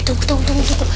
tunggu tunggu tunggu tunggu